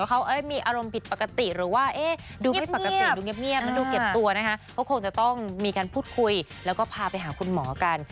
การพูดคุยแล้วก็พาไปหาคุณหมอกัน